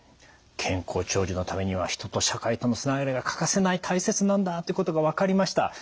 健康長寿のためには人と社会とのつながりが欠かせない大切なんだってことが分かりました。